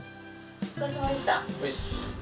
お疲れさまでした。